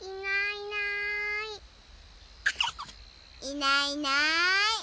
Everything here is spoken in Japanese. いないいない。